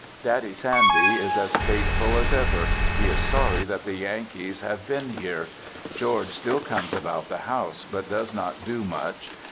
Daddy Sandy is as faithful as ever. He is sorry that the Yankees have been here. George still comes about the house, but does not do much.